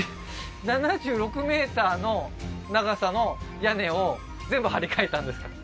７６ｍの長さの屋根を全部張り替えたんですか？